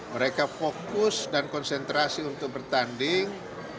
mereka fokus dan konsentrasi untuk bertanding